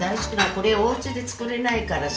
これおうちで作れないからさ。